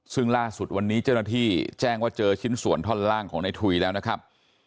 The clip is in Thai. ซึ่งล่าสุดวันนี้เจ้าหน้าที่แจ้งว่าเจอชิ้นส่วนท่อนล่างของในถุยแล้วนะครับ